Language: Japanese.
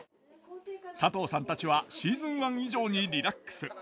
佐藤さんたちはシーズン１以上にリラックス。